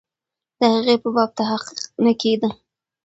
د هغې په باب تحقیق نه کېده.